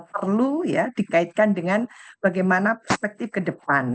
perlu ya dikaitkan dengan bagaimana perspektif ke depan